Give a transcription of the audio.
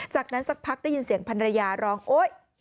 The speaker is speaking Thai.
จากนั้นสักพักได้ยินเสียงพันรยาร้องโอ๊ย